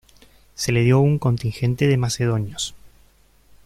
Se le dio un contingente de macedonios.